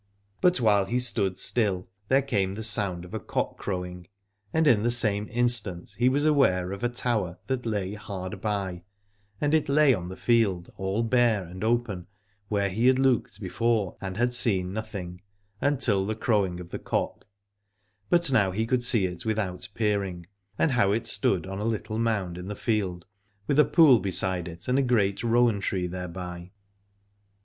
But while he stood still there came the sound of a cock crowing : and in the same instant he was aware of a tower that lay hard by, and it lay in the field all bare and open where he had looked before and had seen nothing, until the crowing of the 53 Aladore cock. But now he could see it without peer ing, and how it stood on a little mound in the field, with a pool beside it and a great rowan tree thereby.